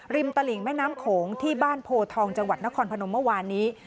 ตลิ่งแม่น้ำโขงที่บ้านโพทองจังหวัดนครพนมเมื่อวานนี้